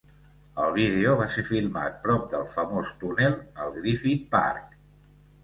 El vídeo va ser filmat prop del famós túnel al Griffith Park.